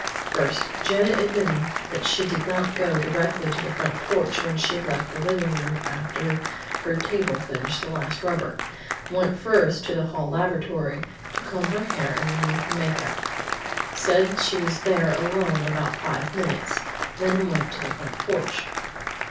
"First: Janet admitted that she did not go directly to the front porch when she left the living room after her table finished the last rubber. Went first to the hall lavatory to comb her hair and renew her make up. Said she was there alone about five minutes, then went to the front porch.